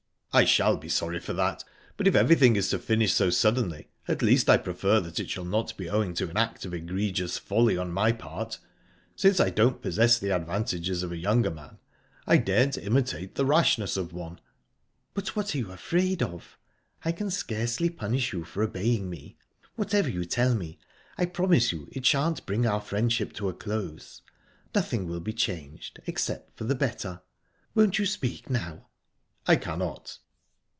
"I shall be sorry for that, but if everything is to finish so suddenly, at least I prefer that it shall not be owing to an act of egregious folly on my part. Since I don't possess the advantages of a younger man, I daren't imitate the rashness of one." "But what are you afraid of? I can scarcely punish you for obeying me. Whatever you tell me, I promise you it shan't bring our friendship to a close. Nothing will be changed, except for the better. Won't you speak now?" "I cannot."